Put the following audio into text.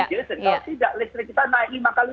kalau tidak listrik kita naik lima kali